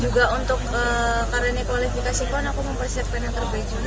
juga untuk karena ini kualifikasi pon aku mempersiapkan yang terbaik juga